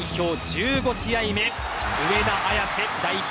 １５試合目上田綺世代表